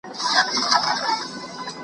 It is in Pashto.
څوک پر مړو میندو په سرو چیغو تاویږي .